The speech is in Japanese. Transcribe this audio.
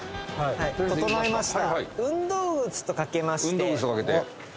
整いました。